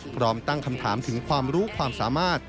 พร้อมตั้งคำถามถึงความรู้ความสามารถ